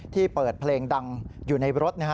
ที่เปิดเพลงดังอยู่ในรถ